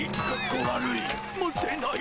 モテない。